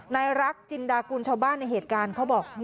นายรักจินดากุลชาวบ้านในเหตุการณ์เขาบอก